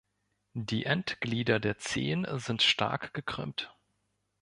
Die Endglieder der Zehen sind stark gekrümmt.